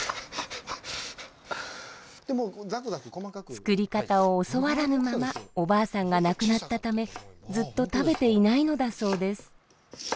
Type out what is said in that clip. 作り方を教わらぬままおばあさんが亡くなったためずっと食べていないのだそうです。